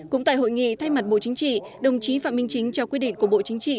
cũng tại hội nghị thay mặt bộ chính trị đồng chí phạm minh chính trao quyết định của bộ chính trị